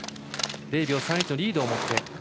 ０秒３１のリードを持って。